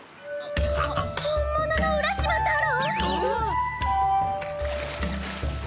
本物の浦島太郎？